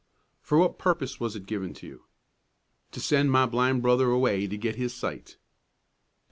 "For what purpose was it given to you?" "To send my blind brother away to get his sight."